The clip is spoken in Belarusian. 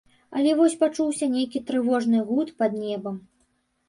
Але вось пачуўся нейкі трывожны гуд пад небам.